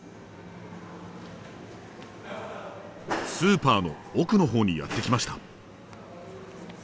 スーパーの奥のほうにやって来ました。